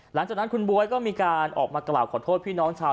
หลังจากนั้นคุณบ๊วยก็มีการออกมากล่าวขอโทษพี่น้องชาว